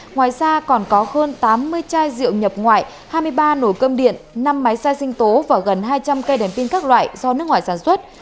ngoài ra còn có hơn tám mươi chai rượu nhập ngoại hai mươi ba nồi cơm điện năm máy da sinh tố và gần hai trăm linh cây đèn pin các loại do nước ngoài sản xuất